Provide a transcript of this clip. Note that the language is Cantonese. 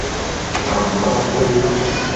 燉冬菇